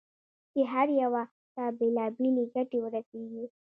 چې هر یوه ته بېلابېلې ګټې ورسېږي.